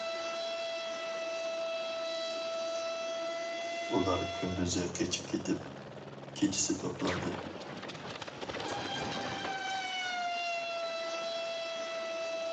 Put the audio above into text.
ئۇلار كۈندۈزى قېچىپ كېتىپ، كېچىسى توپلاندى.